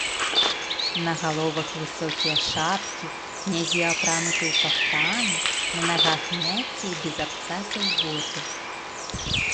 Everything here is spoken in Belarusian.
На галовах высокія шапкі, князі апрануты ў кафтаны, на нагах мяккія, без абцасаў боты.